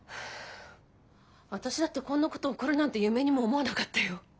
私だってこんなこと起こるなんて夢にも思わなかったよ。